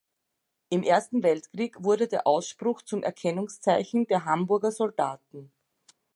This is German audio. Im Ersten Weltkrieg wurde der Ausspruch zum Erkennungszeichen der Hamburger Soldaten.